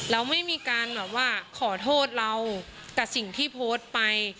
เราไม่มีการแบบว่าขอโทษเรากับสิ่งที่โพสต์ไป